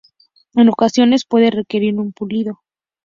En ocasiones puede requerir un pulido.